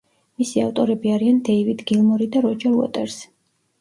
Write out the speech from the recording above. მისი ავტორები არიან დეივიდ გილმორი და როჯერ უოტერსი.